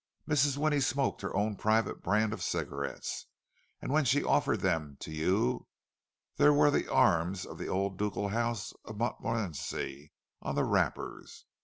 Mrs. Winnie smoked her own private brand of cigarettes, and when she offered them to you, there were the arms of the old ducal house of Montmorenci on the wrappers!